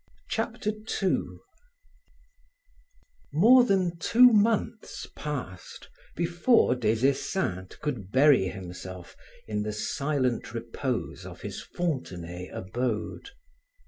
Chapter 2 More than two months passed before Des Esseintes could bury himself in the silent repose of his Fontenay abode.